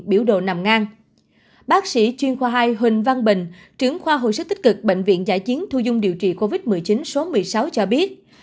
bác sĩ chuyên khoa hai huỳnh văn bình trưởng khoa hội sức tích cực bệnh viện giải chiến thu dung điều trị covid một mươi chín số một mươi sáu cho biết